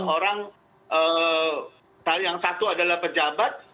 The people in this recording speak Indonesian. orang yang satu adalah pejabat